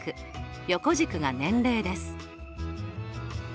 横軸が年齢です。